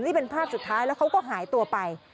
นี่เป็นภาพสุดท้ายแล้วเขาก็หายตัวไป